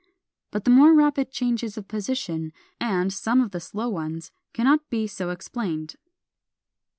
But the more rapid changes of position, and some of the slow ones, cannot be so explained.